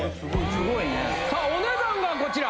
・凄いね・さあお値段がこちら！